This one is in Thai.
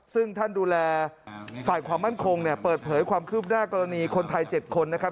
ซึ่งท่านดูแลฝ่ายความมั่นคงเนี่ยเปิดเผยความคืบหน้ากรณีคนไทย๗คนนะครับ